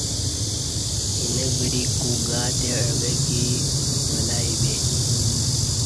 اینہ وری کو گاتے عویکی ولہ یے